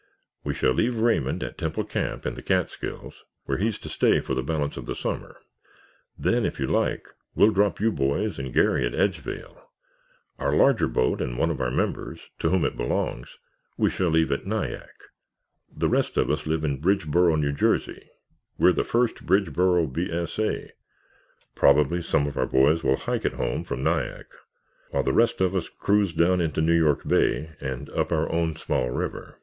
We shall leave Raymond at Temple Camp, in the Catskills, where he's to stay for the balance of the summer. Then, if you like, we'll drop you boys and Garry at Edgevale. Our larger boat and one of our members, to whom it belongs, we shall leave at Nyack. The rest of us live in Bridgeboro, New Jersey—we're the First Bridgeboro B. S. A. Probably some of our boys will hike it home from Nyack while the rest of us cruise down into New York Bay and up our own small river."